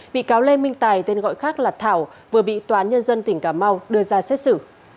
bị cáo lê minh tài tên gọi khác là thảo vừa bị tòa án nhân dân tỉnh cà mau đưa ra xét xử